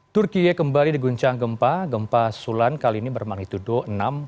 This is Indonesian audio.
turkiye kembali di guncang gempa gempa sulan kali ini bermanggituduh enam empat